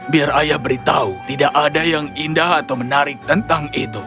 biar ayah beritahu tidak ada yang indah atau menarik tentang itu